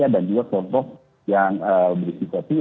ada juga contoh yang berisiko tinggi